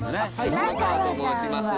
島川と申します。